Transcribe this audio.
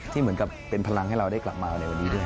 เหมือนกับเป็นพลังให้เราได้กลับมาในวันนี้ด้วย